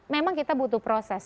memang kita butuh proses